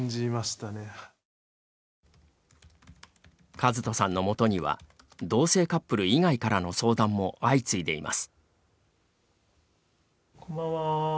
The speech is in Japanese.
和人さんの元には同性カップル以外からの相談も相次いでいます。